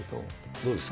どうですか？